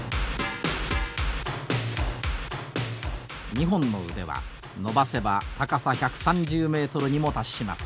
２本の腕は伸ばせば高さ１３０メートルにも達します。